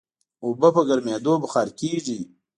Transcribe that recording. اوبه په ګرمېدو بخار کېږي.